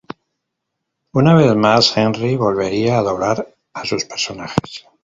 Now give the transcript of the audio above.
Una vez más, Henry volvería a doblar a sus personajes.